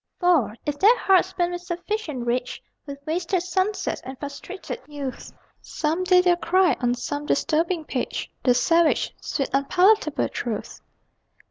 For, if their hearts burn with sufficient rage, With wasted sunsets and frustrated youth, Some day they'll cry, on some disturbing page, The savage, sweet, unpalatable truth!